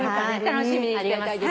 楽しみにしてます。